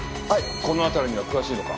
この辺りには詳しいのか？